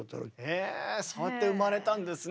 へえそうやって生まれたんですね。